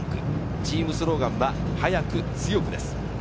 チームスローガンは早く強くです。